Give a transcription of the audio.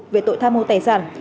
về tội tham mô tài sản